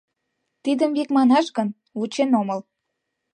— Тидым, вик манаш гын, вучен омыл!